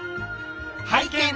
拝見！